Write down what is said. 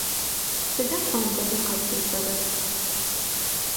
Сыда куандэмэ къатефэрэр?